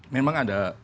memang ada pasal